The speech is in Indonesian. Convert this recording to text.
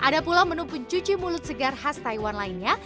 ada pula menu pencuci mulut segar khas taiwan lainnya